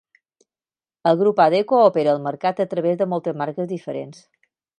El grup Adecco opera al mercat a través de moltes marques diferents.